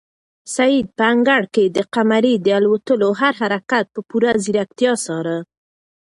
سعید په انګړ کې د قمرۍ د الوتلو هر حرکت په پوره ځیرکتیا څاره.